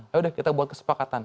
ya udah kita buat kesepakatan